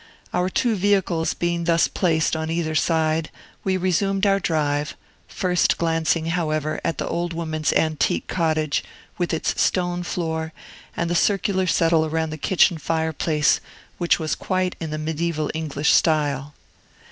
Our two vehicles being thus placed on the other side, we resumed our drive, first glancing, however, at the old woman's antique cottage, with its stone floor, and the circular settle round the kitchen fireplace, which was quite in the mediaeval English style.